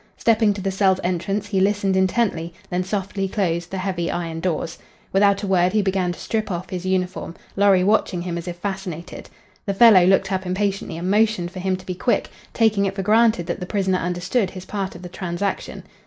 Stepping to the cell's entrance he listened intently, then softly closed the heavy iron doors. Without a word he began to strip off his uniform, Lorry watching him as if fascinated. The fellow looked up impatiently and motioned for him to be quick, taking it for granted that the prisoner understood his part of the transaction.